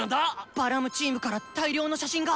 バラムチームから大量の写真が！